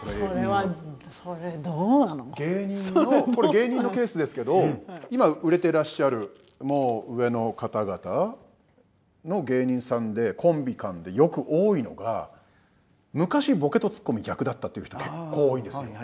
芸人のケースですけど今売れてらっしゃるもう上の方々の芸人さんでコンビ間でよく多いのが昔ボケとツッコミ逆だったっていう人結構多いんですよ。